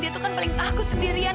dia tuh kan paling takut sendirian